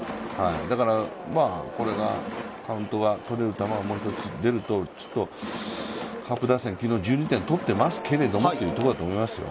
だからカウントが取れる球が出ると、カープ打線、昨日１２点取ってますけどというところだと思いますよ。